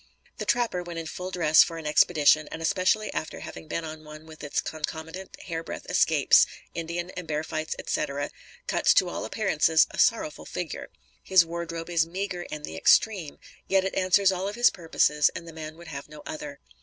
The trapper, when in full dress for an expedition, and especially after having been on one with its concomitant hair breadth escapes, Indian and bear fights, etc., cuts, to all appearances, a sorrowful figure. His wardrobe is meagre in the extreme, yet it answers all of his purposes and the man would have no other.